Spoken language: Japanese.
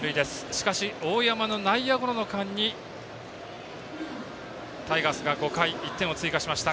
しかし、大山の内野ゴロの間にタイガースが５回、１点を追加しました。